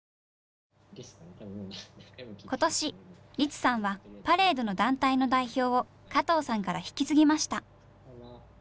今年リツさんはパレードの団体の代表を加藤さんから引き継ぎました。